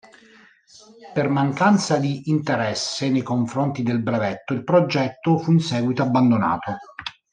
Per mancanza di interesse nei confronti del brevetto il progetto fu in seguito abbandonato.